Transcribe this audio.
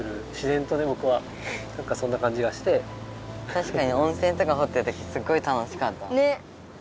たしかに温泉とかほってるときすごい楽しかった。ね！